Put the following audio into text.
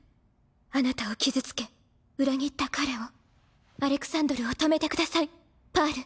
あなたを傷つけ裏切った彼をアレクサンドルを止めてくださいパール。